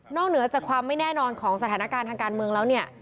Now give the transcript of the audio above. เหนือจากความไม่แน่นอนของสถานการณ์ทางการเมืองแล้วเนี่ย